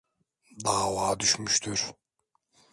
Dava düşmüştür.